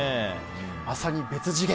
まさに別次元。